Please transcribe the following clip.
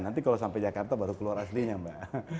nanti kalau sampai jakarta baru keluar aslinya mbak